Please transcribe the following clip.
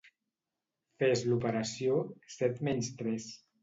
Fes l'operació set menys tres.